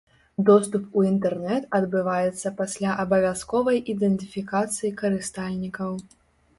Доступ у інтэрнэт адбываецца пасля абавязковай ідэнтыфікацыі карыстальнікаў.